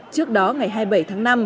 trước đó ngày hai mươi bảy tháng năm